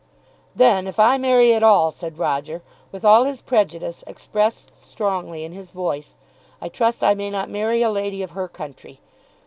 "Then if I marry at all," said Roger, with all his prejudice expressed strongly in his voice, "I trust I may not marry a lady of her country.